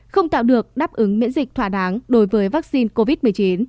không tạo được đáp ứng miễn dịch thỏa đáng đối với vaccine covid một mươi chín